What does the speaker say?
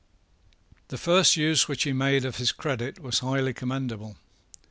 The first use which he made of his credit was highly commendable.